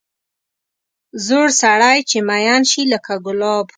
زوړ سړی چې مېن شي لکه ګلاب.